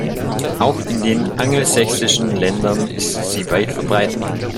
Auch in den angelsächsischen Ländern ist sie weit verbreitet.